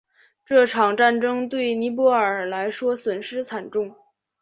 这场战争对于尼泊尔来说损失惨重。